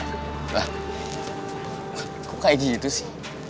wah kok kayak gitu sih